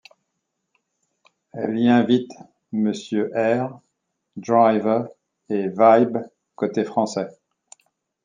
Elle y invite Monsieur R, Driver et Vibe côté français.